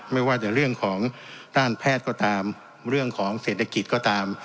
ไม่ว่าจะเรื่องของด้านแพทย์ก็ตามเรื่องของเศรษฐกิจก็ตาม